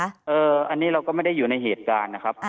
อันนี้เราก็ไม่ได้อยู่ในเหตุการณ์นะครับ